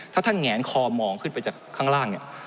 ถ้าท่านแงนคอมองขึ้นไปจากข้างล่างเนี่ย